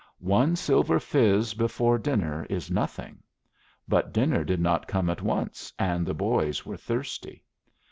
One silver fizz before dinner is nothing; but dinner did not come at once, and the boys were thirsty.